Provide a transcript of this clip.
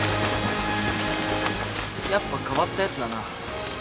やっぱ変わったヤツだな。